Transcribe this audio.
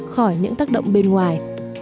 khỏi những tác động bên ngoài